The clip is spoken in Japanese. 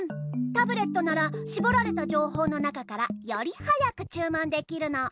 タブレットならしぼられたじょうほうのなかからよりはやくちゅうもんできるの。